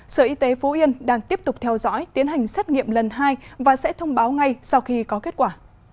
sở y tế phú yên đang tiếp tục theo dõi tiến hành xét nghiệm lần hai và sẽ thông báo ngay sau khi có kết quả